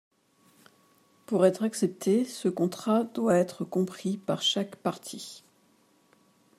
Pour être accepté, ce contrat doit être compris par chaque partie.